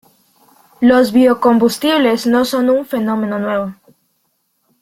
Los biocombustibles no son un fenómeno nuevo.